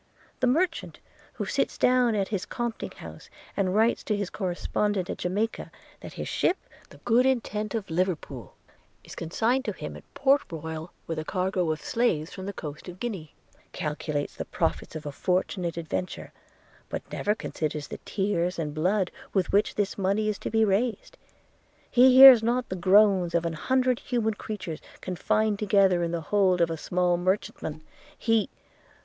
The merchant, who sits down in his compting house, and writes to his correspondent at Jamaica, that his ship, the Good Intent of Liverpool, is consigned to him at Port Royal with a cargo of slaves from the coast of Guinea, calculates the profits of a fortunate adventure, but never considers the tears and blood with which this money is to be raised. He hears not the groans of an hundred human creatures confined together in the hold of a small merchantman – he